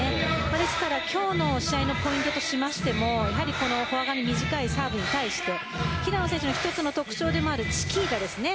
ですから今日の試合のポイントとしましてもフォア側に短いサーブに対して平野選手の１つの特徴でもあるチキータですね。